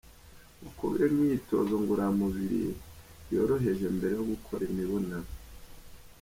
Gukora imyitozo ngorora mubiri yoroheje mbere yo gukora imibonano.